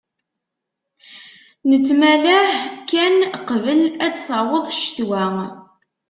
Nettmalah kan qbel ad d-taweḍ ccetwa.